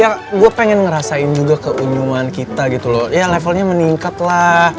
ya gue pengen ngerasain juga keuniman kita gitu loh ya levelnya meningkat lah